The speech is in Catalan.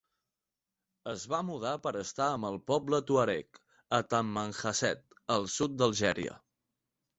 Es va mudar per estar amb el poble tuareg, a Tamanghasset, al sud d'Algèria.